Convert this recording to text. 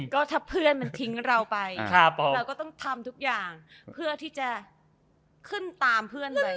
ก็ถ้าเพื่อนมันทิ้งเราไปเราก็ต้องทำทุกอย่างเพื่อที่จะขึ้นตามเพื่อนไป